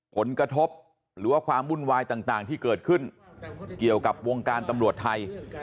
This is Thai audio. ผลกระทบหรือว่าความวุ่นวายต่างที่เกิดขึ้นเกี่ยวกับวงการตำรวจไทย